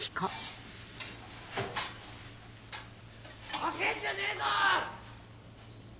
・負けんじゃねえぞ！